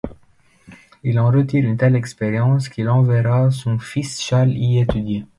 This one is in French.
Il en retire une telle expérience qu'il enverra son fils Charles y étudier.